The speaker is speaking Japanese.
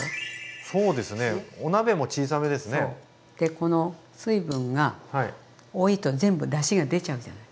この水分が多いと全部だしが出ちゃうじゃない？